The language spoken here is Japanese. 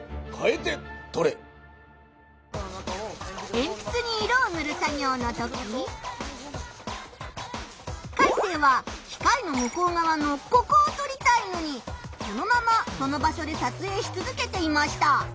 えんぴつに色をぬる作業のときカイセイは機械の向こうがわのここを撮りたいのにそのままその場所で撮影しつづけていました。